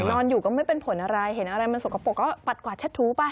นอนอยู่ก็ไม่เป็นผลอะไรเห็นอะไรมันสกปรกก็ปัดกวาดเช็ดถูไป